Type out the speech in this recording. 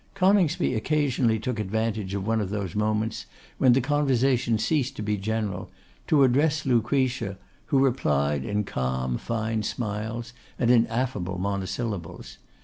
Coningsby occasionally took advantage of one of those moments, when the conversation ceased to be general, to address Lucretia, who replied in calm, fine smiles, and in affable monosyllables.